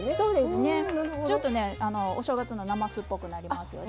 ちょっとお正月のなますっぽくなりますね。